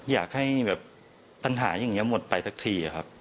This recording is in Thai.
อยากให้แบบปัญหาอย่างนี้หมดไปสักทีครับ